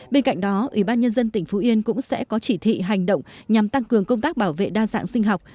bên cạnh đó ủy ban nhân dân tỉnh phú yên cũng sẽ có chỉ thị hành động nhằm tăng cường công tác bảo vệ đa dạng sinh học